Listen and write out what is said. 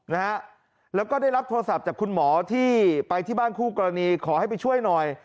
นะฮะแล้วก็ได้รับโทรศัพท์จากคุณหมอที่ไปที่บ้านคู่กรณีขอให้ไปช่วยหน่อย